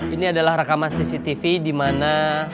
ini adalah rekaman cctv dimana